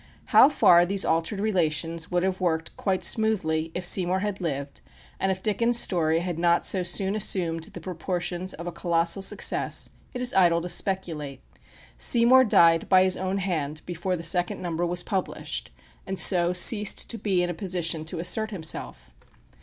How far these altered relations would have worked quite smoothly if Seymour had lived, and if Dickens' story had not so soon assumed the proportions of a colossal success, it is idle to speculate. Seymour died by his own hand before the second number was published, and so ceased to be in a position to assert himself.